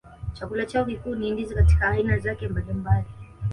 Chakula chao kikuu ni ndizi katika aina zake mbalimbali